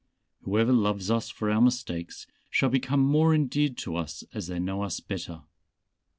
Whoever loves us for our mistakes, shall become more endeared to us as they know us better.